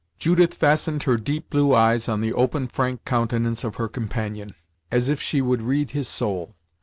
Judith fastened her deep blue eyes on the open, frank countenance of her companion, as if she would read his soul.